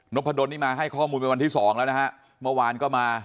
พะดนนี่มาให้ข้อมูลเป็นวันที่สองแล้วนะฮะเมื่อวานก็มา